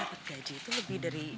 dapat gaji itu lebih dari